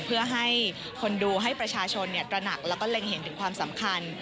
เพื่อให้คนดูให้ประชาชนตระหนักแล้วก็เล็งเห็นถึงความสำคัญ